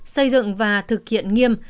xây dựng và thực hiện nghiêm